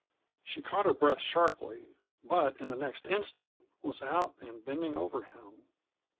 She caught her breath sharply, but in the next instant was out and bending over him.